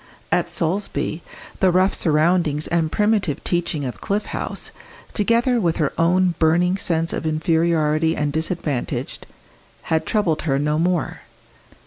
At Solesby the rough surroundings and primitive teaching of Cliff House, together with her own burning sense of inferiority and disadvantage, had troubled her no more.